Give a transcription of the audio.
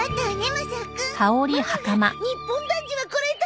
ママが日本男児はこれだ！